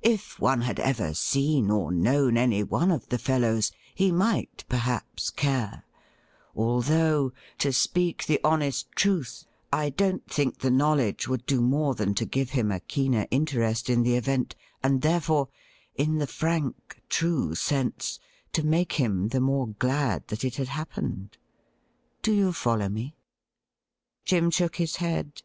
If one had ever seen or known any one of the fellows, he might, perhaps, care — although, to speak the honest truth, I don't think the knowledge would do more than to give him a keener interest in the event, and therefore — in the frank, true sense — to make him the more glad that it had happened. Do you follow me ?' Jim shook his head.